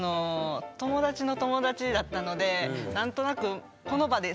友達の友達だったので何となく空気もね。